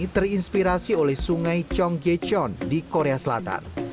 terinspirasi oleh sungai chong gecheon di korea selatan